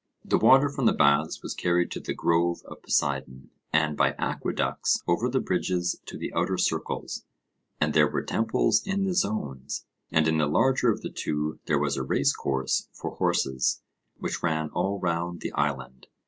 The water from the baths was carried to the grove of Poseidon, and by aqueducts over the bridges to the outer circles. And there were temples in the zones, and in the larger of the two there was a racecourse for horses, which ran all round the island.